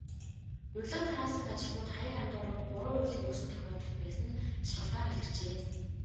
Урилга тараасан ажилтнууд хаяг андууран, буруу урилга өгсөн тохиолдол байсан нь шалгалтаар илэрчээ.